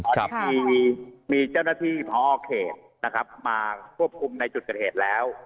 ตอนนี้มีเจ้าหน้าที่พอเขตนะครับมาควบคุมในจุดเกิดเหตุแล้ว